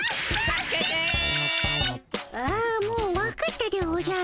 ああもうわかったでおじゃる。